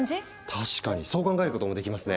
確かにそう考えることもできますね。